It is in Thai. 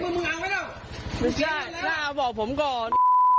ไม่เอาครับบอกผมก่อน